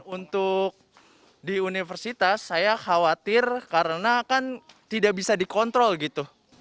untuk di universitas saya khawatir karena kan tidak bisa dikontrol gitu